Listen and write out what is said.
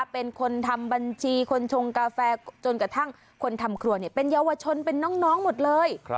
เป็นคนทำบัญชีคนชงกาแฟจนกระทั่งคนทำครัวเป็นเยาวชนเป็นน้องหมดเลย